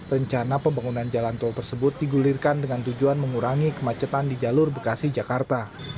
rencana pembangunan jalan tol tersebut digulirkan dengan tujuan mengurangi kemacetan di jalur bekasi jakarta